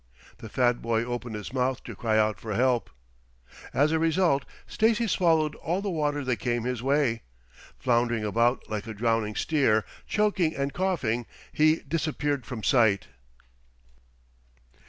The fat boy opened his mouth to cry out for help. As a result Stacy swallowed all the water that came his way. Floundering about like a drowning steer, choking and coughing, he disappeared from sight.